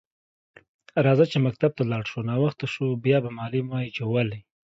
راځه چی مکتب ته لاړ شو ناوخته شو بیا به معلم وایی چی ولی